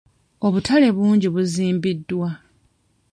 Obutale bungi buzimbiddwa.